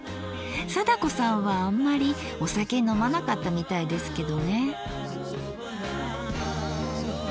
貞子さんはあんまりお酒飲まなかったみたいですけどね。